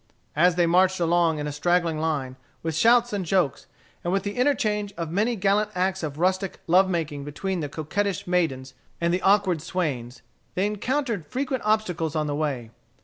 As they marched along in straggling line, with shouts and jokes, and with the interchange of many gallant acts of rustic love making between the coquettish maidens and the awkward swains, they encountered frequent obstacles on the way.